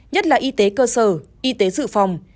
nhất là y tế cơ sở y tế dự phòng